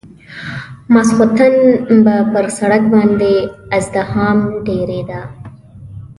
ماخستن به پر سړک باندې ازدحام ډېرېده.